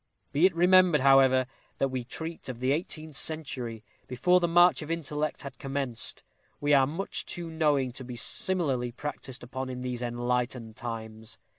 Be it remembered, however, that we treat of the eighteenth century, before the march of intellect had commenced; we are much too knowing to be similarly practised upon in these enlightened times.